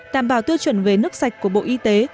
đảm bảo tiêu chuẩn về nước sạch của bộ y tế